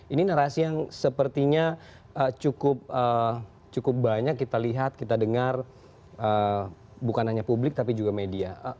ini narasi yang sepertinya cukup banyak kita lihat kita dengar bukan hanya publik tapi juga media